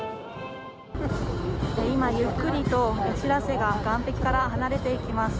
今、ゆっくりと「しらせ」が岩壁から離れていきます。